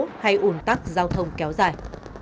cố hay ủn tắc giao thông kéo dài